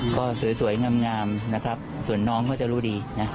ก็สวยงามนะครับส่วนน้องก็จะรู้ดีนะ